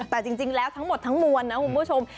แต่จริงแล้วทั้งหมดทั้งมวลนะคุณผู้ชม